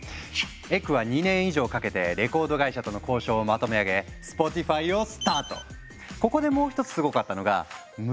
エクは２年以上かけてレコード会社との交渉をまとめ上げ「スポティファイ」をスタート！